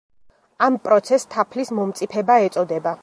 ამ პროცესს თაფლის მომწიფება ეწოდება.